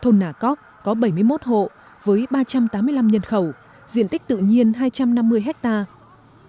thôn nà cóc có bảy mươi một hộ với ba trăm tám mươi năm nhân khẩu diện tích tự nhiên hai trăm năm mươi hectare